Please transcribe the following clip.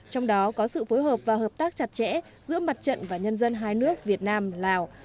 trong đó có sự phối hợp và hợp tác chặt chẽ giữa mặt trận và nhân dân hai nước việt nam lào